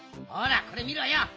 ほらこれみろよ。